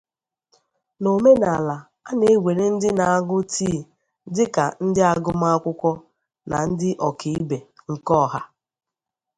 Na omenala, a na-ewere ndị na-aṅụ tii dịka 'ndị agụmakwụkwọ' na 'ndị ọkaibe' nke ọha.